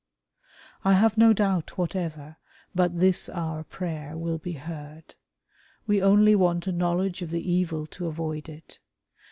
I have no doubt whatever, but this our prayer will be heard. We only want a knowledge of the evil to avoid it.